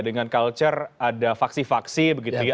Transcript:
dengan culture ada faksi faksi begitu ya